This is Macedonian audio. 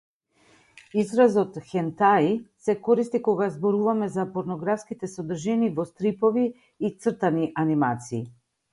Изразот хентаи се користи кога зборуваме за порнографските содржини во стрипови и цртани анимации.